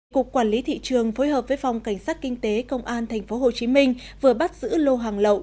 cục quản lý thị trường phối hợp với phòng cảnh sát kinh tế công an tp hcm vừa bắt giữ lô hàng lậu